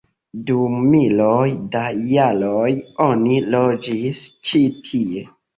Dum miloj da jaroj oni loĝis ĉi tie.